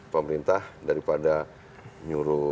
pemerintah daripada nyuruh